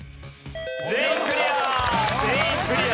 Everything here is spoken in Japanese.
全員クリア！